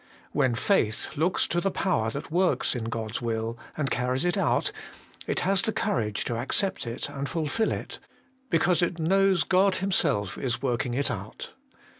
When faith looks to the Power that works in God's will, and carries it out, it has the courage to accept it and fulfil it, because it knows God Himself is working it out.